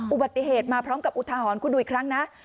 อุบัติเหตุมาพร้อมกับอุทหรณ์คุณดูอีกครั้งนะ